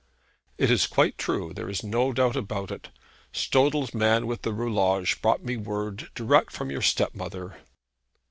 'It is quite true. There is no doubt about it. Stodel's man with the roulage brought me word direct from your step mother.'